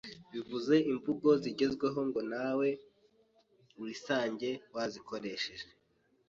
bivuga imvugo zigezweho ngo nawe wisange wazikoresheje